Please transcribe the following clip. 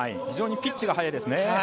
非常にピッチが早いですね。